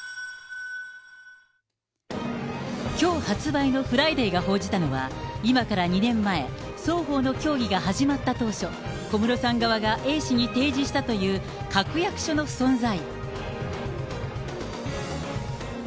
きょう発売のフライデーが報じたのは、今から２年前、双方の協議が始まった当初、小室さん側がＡ氏に提示したという確約書の存在。